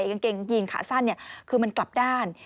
กางเกงยีนขาสั้นคือมันกลับด้าน